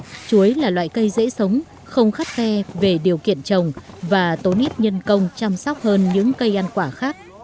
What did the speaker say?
bên cạnh đó chuối là loại cây dễ sống không khắt khe về điều kiện trồng và tốn ít nhân công chăm sóc hơn những cây ăn quả khác